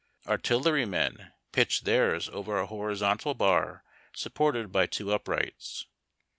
Artillery men pitched theirs over a horizontal bar supported by two uprights.